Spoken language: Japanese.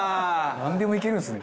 なんでもいけるんですね。